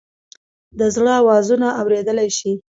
د زړه آوازونه اوریدلئ شې؟